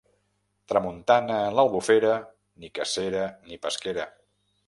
Tramuntana en l'Albufera, ni cacera ni pesquera.